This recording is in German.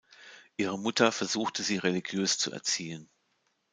Ihre Mutter versuchte, sie religiös zu erziehen.